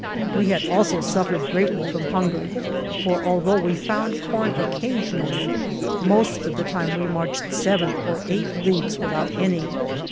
We had also suffered greatly from hunger, for, al though we found corn occasionally, most of the time we marched seven or eight leagues without any.